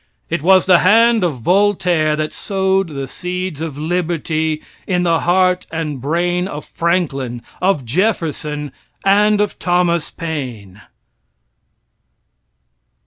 It was the hand of Voltaire that sowed the seeds of liberty in the heart and brain of Franklin, of Jefferson, and of Thomas Paine.